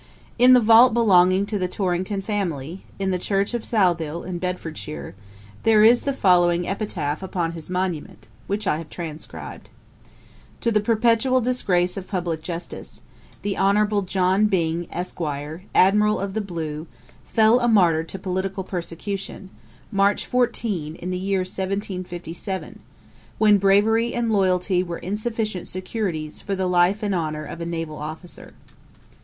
In the vault belonging to the Torrington family, in the church of Southill, in Bedfordshire, there is the following Epitaph upon his monument, which I have transcribed: 'TO THE PERPETUAL DISGRACE OF PUBLIC JUSTICE, THE HONOURABLE JOHN BYNG, ESQ. ADMIRAL OF THE BLUE, FELL A MARTYR TO POLITICAL PERSECUTION, MARCH 14, IN THE YEAR, 1757; WHEN BRAVERY AND LOYALTY WERE INSUFFICIENT SECURITIES FOR THE LIFE AND HONOUR OF A NAVAL OFFICER.'